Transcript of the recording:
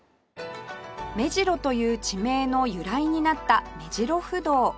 目白という地名の由来になった目白不動